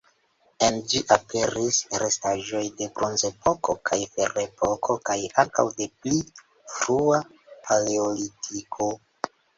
En ĝi aperis restaĵoj de Bronzepoko kaj Ferepoko, kaj ankaŭ de pli frua Paleolitiko.